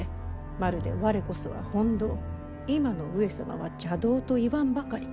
まるで「われこそは本道今の上様は邪道」と言わんばかり。